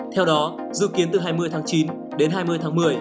theo đó dự kiến từ hai mươi tháng chín đến hai mươi tháng một mươi